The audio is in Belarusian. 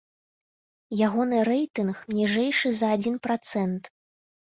Ягоны рэйтынг ніжэйшы за адзін працэнт.